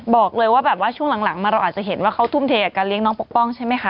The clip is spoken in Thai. บอกเลยว่าแบบว่าช่วงหลังมาเราอาจจะเห็นว่าเขาทุ่มเทกับการเลี้ยน้องปกป้องใช่ไหมคะ